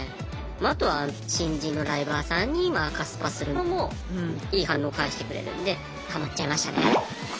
まああとは新人のライバーさんに赤スパするのもいい反応返してくれるんでハマっちゃいましたね。